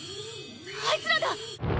あいつらだ！